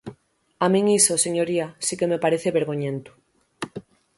A min iso, señoría, si que me parece vergoñento.